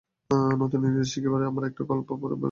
নূতন ইংরেজী শিখিবার সময় আমি একটা গল্পের বই পড়িয়াছিলাম।